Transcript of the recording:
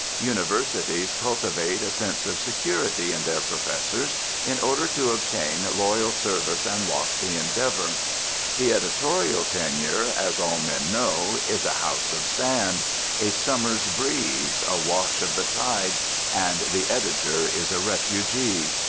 Universities cultivate a sense of security in their professors, in order to obtain loyal service and lofty endeavour. The editorial tenure, as all men know, is a house of sand a summer's breeze, a wash of the tide, and the editor is a refugee.